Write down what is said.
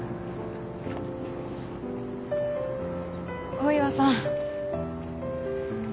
大岩さん。